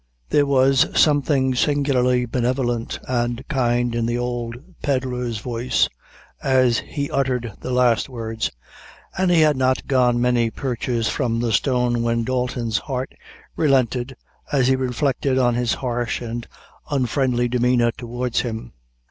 There was something singularly benevolent and kind in the old pedlar's voice, as he uttered the last words, and he had not gone many perches from the stone, when Dalton's heart relented as he reflected on his harsh and unfriendly demeanor towards him.